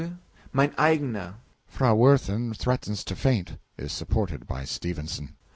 Mein Eigener! (Frau WIRTHIN threatens to faint is supported by STEPHENSON.)